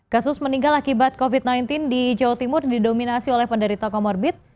kasus meninggal akibat covid sembilan belas di jawa timur didominasi oleh penderita comorbid